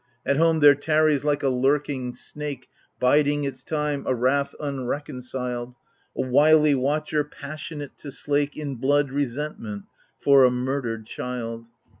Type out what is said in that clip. At home there tarries like a lurking snake. Biding its time, a wrath unreconciled, A wily watcher, passionate to slake. In blood, resentment for a murdered child.